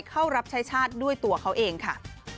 เข้ารับใช้ชาติด้วยตัวเขาเองค่ะ